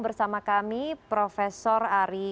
bersama kami prof ari